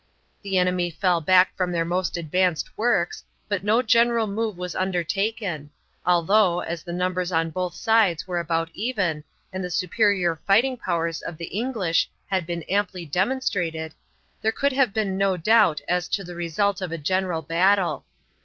The enemy fell back from their most advanced works, but no general move was undertaken, although, as the numbers on both sides were about even and the superior fighting powers of the English had been amply demonstrated, there could have been no doubt as to the result of a general battle.